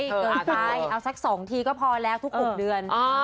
เกินไปเอาสัก๒ทีก็พอแล้วทุก๖เดือน